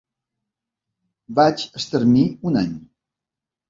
Vaig estar-m’hi un any.